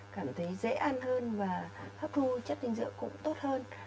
cảm thấy dễ ăn hơn và hấp thu chất dinh dưỡng cũng tốt hơn